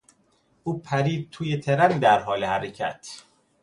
او پرید توی ترن در حال حرکت.